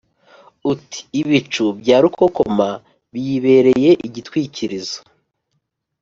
uti ‘ibicu bya rukokoma biyibereye igitwikirizo